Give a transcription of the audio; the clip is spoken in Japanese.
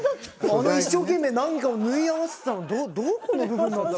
あの一生懸命何かを縫い合わせてたのどこの部分なんだろう？